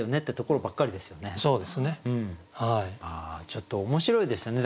ちょっと面白いですよね。